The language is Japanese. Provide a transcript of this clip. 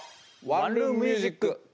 「ワンルームミュージック」。